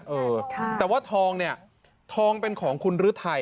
เออแต่ว่าทองเนี่ยทองเป็นของคุณฤทัย